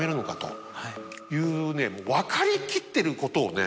もう分かりきってることをね